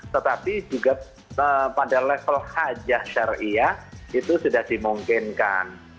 tetapi juga pada level hajah syariah itu sudah dimungkinkan